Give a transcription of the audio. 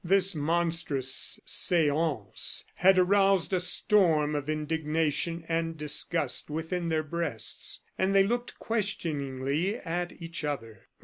This monstrous seance had aroused a storm of indignation and disgust within their breasts, and they looked questioningly at each other.